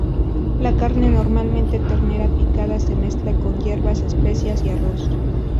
La carne, normalmente ternera picada, se mezcla con hierbas, especias y arroz.